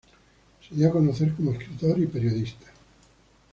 Se dio a conocer como escritor y periodista.